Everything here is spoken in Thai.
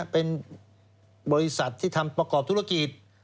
เป็นบริษัทที่ทำประกอบธุรกิจ